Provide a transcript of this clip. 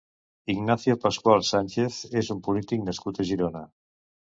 Ignacio Pascual Sánchez és un polític nascut a Girona.